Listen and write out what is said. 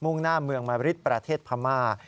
่งหน้าเมืองมาริดประเทศพม่า